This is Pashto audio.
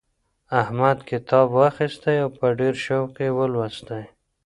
احمد کتاب واخیستی او په ډېر شوق یې ولوستی.